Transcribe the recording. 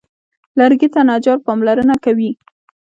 لرګي ته نجار پاملرنه کوي.